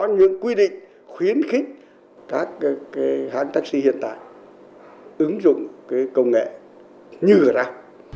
có những quy định khuyến khích các hãng taxi hiện tại ứng dụng cái công nghệ như thế nào